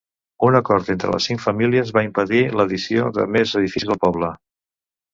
Un acord entre les cinc famílies va impedir l'addició de més edificis al poble.